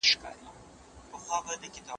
موږ پرون په سیند کې یو څه کبان ونیول.